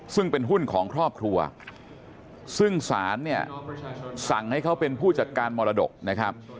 ซึ่งเป็นหุ้นของครอบครัวซึ่งศาลเนี่ยสั่งให้เขาเป็นผู้จัดการมรดกนะครับ